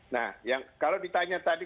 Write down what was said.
nah kalau ditanya tadi